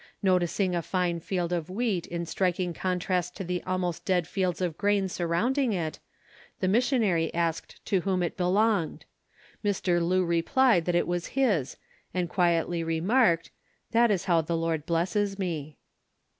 Noticing a fine field of wheat in striking contrast to the almost dead fields of grain surrounding it, the missionary asked to whom it belonged. Mr. Lu replied that it was his, and quietly remarked, "That is how the Lord blesses me."